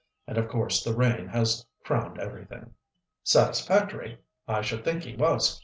And of course the rain has crowned everything." "Satisfactory! I should think he was!